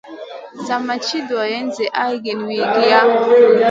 Sa ma ci dolay zi ahrki wiykiya.